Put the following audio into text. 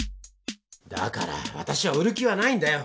だから私は売る気はないんだよ。